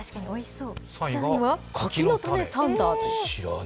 ３位は柿の種サンダー。